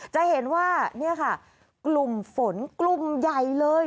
จะเห็นว่านี่ค่ะกลุ่มฝนกลุ่มใหญ่เลย